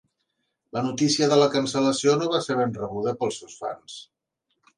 La notícia de la cancel·lació no va ser ben rebuda pels seus fans.